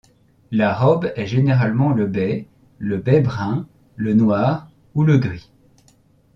La robe est généralement le bai, le bai-brun, le noir ou le gris.